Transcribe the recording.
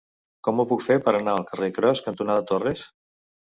Com ho puc fer per anar al carrer Cros cantonada Torres?